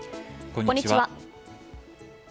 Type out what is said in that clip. こんにちは。